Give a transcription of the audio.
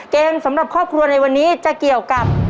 สำหรับครอบครัวในวันนี้จะเกี่ยวกับ